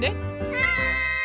はい！